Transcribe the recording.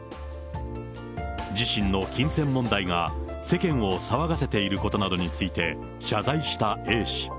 自身の金銭問題が世間を騒がせていることなどについて謝罪したＡ氏。